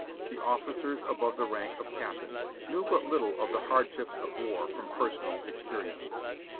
The officers above the rank of captain knew but little of the hardships of war from personal experience.